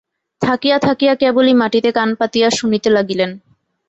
থাকিয়া থাকিয়া কেবলই মাটিতে কান পাতিয়া শুনিতে লাগিলেন।